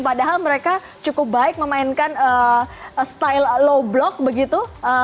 padahal mereka cukup baik memainkan style low block begitu